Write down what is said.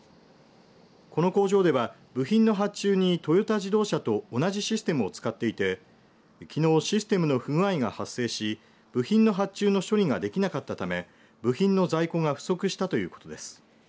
この工場では部品の発注にトヨタ自動車と同じシステムを使っていてきのうシステムの不具合が発生し部品の発注の処理ができなかったため部品の在庫が不足したということです。